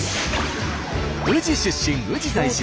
宇治出身宇治在住。